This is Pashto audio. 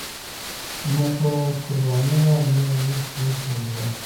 نه به قرباني وه او نه زموږ خوږ پیغمبر.